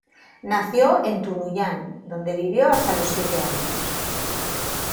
Nació en Tunuyán, donde vivió hasta los siete años.